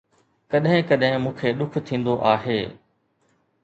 ڪڏهن ڪڏهن مون کي ڏک ٿيندو آهي